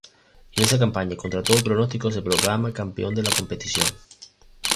En esa campaña, y contra todo pronóstico, se proclama campeón de la competición.